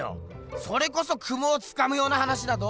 それこそ雲をつかむような話だど！